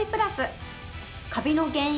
カビの原因